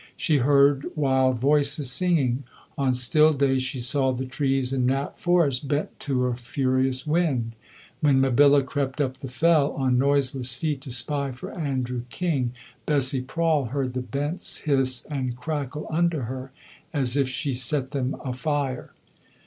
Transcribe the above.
She heard wild voices singing; on still days she saw the trees in Knapp Forest bent to a furious wind. When Mabilla crept up the fell on noiseless feet to spy for Andrew King, Bessie Prawle heard the bents hiss and crackle under her, as if she set them afire.